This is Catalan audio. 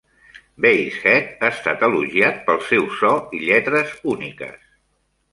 Basehead ha estat elogiat pel seu so i lletres úniques.